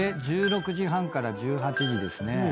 で１６時半から１８時ですね。